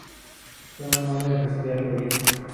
Fue un hombre empresarial y político.